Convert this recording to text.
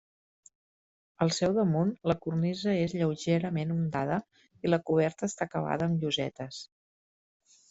Al seu damunt, la cornisa és lleugerament ondada i la coberta està acabada amb llosetes.